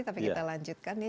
tapi kita lanjutkan ya